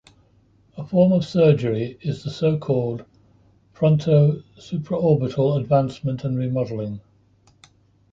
A form of surgery is the so-called fronto-supraorbital advancement and remodelling.